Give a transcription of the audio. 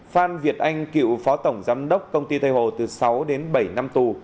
phan việt anh cựu phó tổng giám đốc công ty tây hồ từ sáu đến bảy năm tù